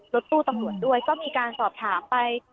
รถตู้ตำรวจด้วยก็มีการสอบถามไป